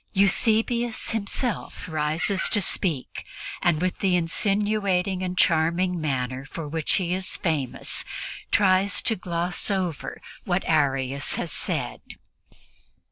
Eusebius himself rises to speak and, with the insinuating and charming manner for which he is famous, tries to gloss over what Arius has said.